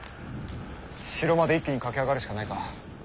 城まで一気に駆け上がるしかないか。